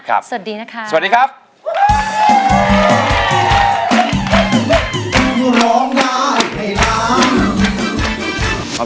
ครับสวัสดีนะคะสวัสดีครับครับสวัสดีครับ